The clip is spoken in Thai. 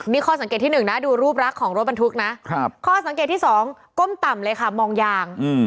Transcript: นี่ข้อสังเกตที่๑นะดูรูปรักของรถบรรทุกนะข้อสังเกตที่๒ก้มต่ำเลยค่ะมองยาง